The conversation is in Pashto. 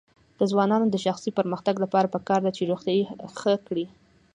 د ځوانانو د شخصي پرمختګ لپاره پکار ده چې روغتیا ښه کړي.